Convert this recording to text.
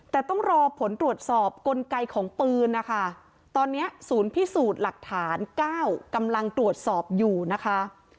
แต่ต้องรอผลตรวจสอบกลไกของปืนนะคะตอนนี้ศูนย์พิสูจน์หลักฐาน๙กำลังตรวจสอบอยู่นะคะ